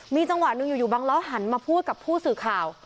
มีจังหวะหนึ่งอยู่บังล้อหันมาพูดกับผู้สื่อข่าว